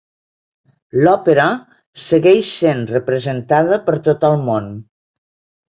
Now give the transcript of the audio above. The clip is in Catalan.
L'òpera segueix sent representada per tot el món.